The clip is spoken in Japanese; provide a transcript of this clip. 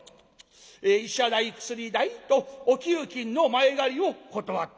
医者代薬代とお給金の前借りを断った。